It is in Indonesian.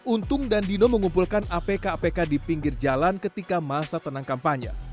untung dan dino mengumpulkan apk apk di pinggir jalan ketika masa tenang kampanye